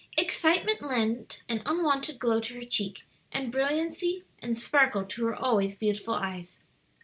Excitement lent an unwonted glow to her cheek and brilliancy and sparkle to her always beautiful eyes.